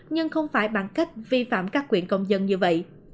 nhưng không phải bằng cách vi phạm các quyền công dân như vậy